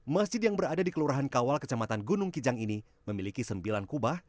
masjid yang berada di kelurahan kawal kecamatan gunung kijang ini memiliki sembilan kubah